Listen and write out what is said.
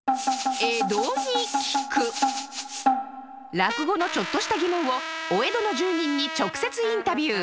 落語のちょっとした疑問をお江戸の住人に直接インタビュー。